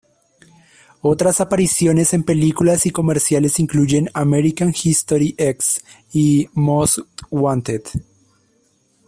Otras apariciones en películas y comerciales incluyen "American History X" y "Most Wanted".